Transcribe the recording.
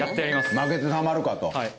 負けてたまるかと。